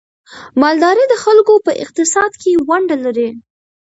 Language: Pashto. مالداري د خلکو په اقتصاد کې ونډه لري.